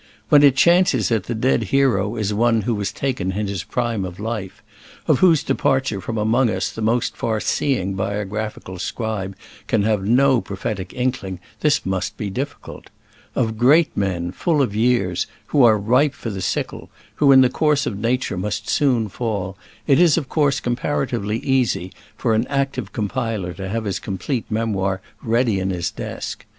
When it chances that the dead hero is one who was taken in his prime of life, of whose departure from among us the most far seeing biographical scribe can have no prophetic inkling, this must be difficult. Of great men, full of years, who are ripe for the sickle, who in the course of Nature must soon fall, it is of course comparatively easy for an active compiler to have his complete memoir ready in his desk.